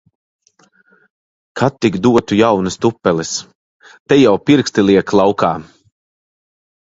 Ka tik dotu jaunas tupeles! Te jau pirksti liek laukā.